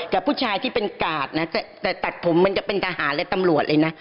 กับผู้ชายที่เป็นกาดนะแต่ตัดผมมันจะเป็นทหารและตำรวจเลยนะ